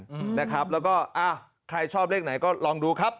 อืมนะครับแล้วก็อ้าวใครชอบเลขไหนก็ลองดูครับ